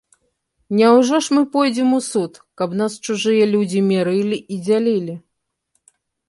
Няўжо ж мы пойдзем у суд, каб нас чужыя людзі мірылі і дзялілі?